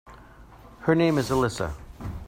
Her name is Elisa.